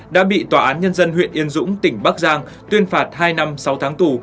đã bị tòa án nhân dân huyện yên dũng tỉnh bắc giang tuyên phạt hai năm sáu tháng tù